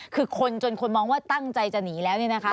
คือคนจนคนมองว่าตั้งใจจะหนีแล้วเนี่ยนะคะ